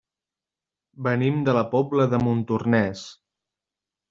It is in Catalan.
Venim de la Pobla de Montornès.